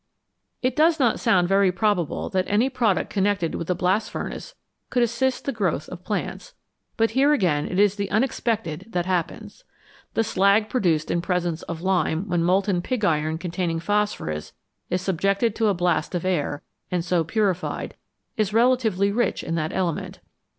It does not sound very probable that any product connected with a blast furnace could assist the growth of plants, but here again it is the unexpected that happens. The slag produced in presence of lime when molten pig iron containing phosphorus is subjected to a blast of air, and so purified, is relatively rich in that element.